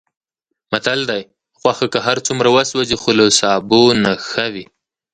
متل دی: غوښه که هرڅومره وسوځي، خو له سابو نه ښه وي.